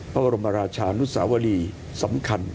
พระบรมราชานุสาวรีสำคัญ